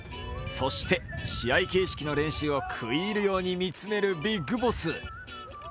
そして、試合形式の練習を食い入るように見つめるビッグボス。